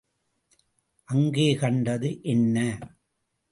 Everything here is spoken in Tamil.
அங்கே கண்டது என்ன?